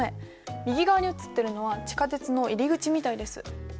右側に写ってるのは地下鉄の入り口みたいです。